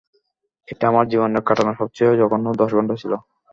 এটা আমার জীবনের কাটানো সবচেয়ে জঘন্য দশ ঘন্টা ছিল।